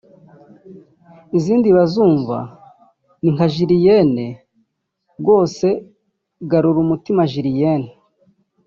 Izindi bazumva ni nka Julienne( rwose garura umutima Julienne